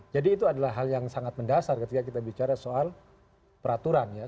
jadi itu adalah hal yang sangat mendasar ketika kita bicara soal peraturan